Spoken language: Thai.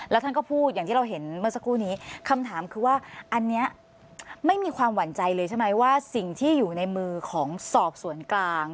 แล้วท่านก็พูดอย่างที่เราเห็นเมื่อสักครู่นี้คำถามคือว่าอันนี้ไม่มีความหวั่นใจเลยใช่ไหมว่าสิ่งที่อยู่ในมือของสอบสวนกลาง